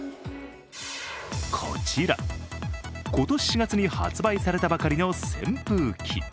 こちら、今年４月に発売されたばかりの扇風機。